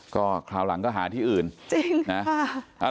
ก็คราวหลังก็หาที่อื่นจริงนะ